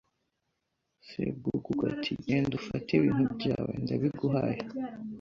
Sebwugugu ati Genda ufate ibintu byawe ndabiguhaye